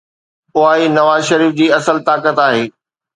اها ئي نواز شريف جي اصل طاقت آهي.